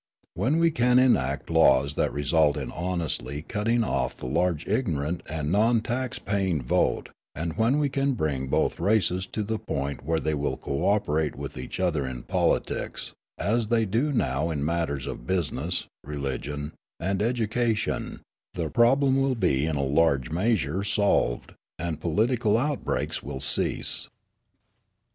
When we can enact laws that result in honestly cutting off the large ignorant and non tax paying vote, and when we can bring both races to the point where they will co operate with each other in politics, as they do now in matters of business, religion, and education, the problem will be in a large measure solved, and political outbreaks will cease.